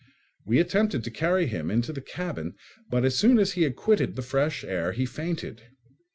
We attempted to carry him into the cabin, but as soon as he had quitted the fresh air he fainted.